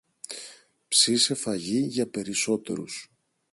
Ψήσε φαγί για περισσότερους